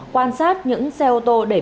quan sát những xe ô tô để bắt